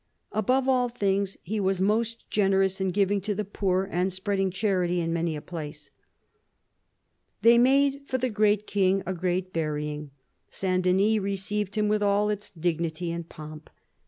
Above all things he was most generous in giving to the poor and spreading charity in many a place." They made for the great king a great burying. S. Denys received him with all its dignity and pomp.